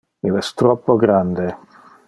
Il es troppo grande.